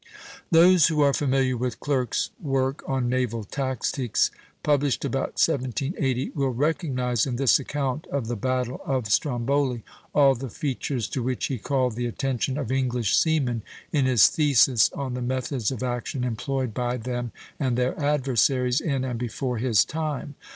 Those who are familiar with Clerk's work on naval tactics, published about 1780, will recognize in this account of the battle of Stromboli all the features to which he called the attention of English seamen in his thesis on the methods of action employed by them and their adversaries in and before his time.